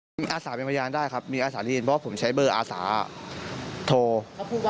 มีอาสาเป็นพยานได้ครับมีอาสาลีนเพราะผมใช้เบอร์อาสาโทร